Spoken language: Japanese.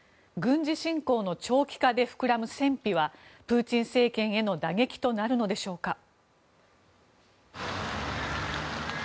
軍事侵攻の長期化で膨らむ戦費はプーチン政権への打撃となるのでしょうか。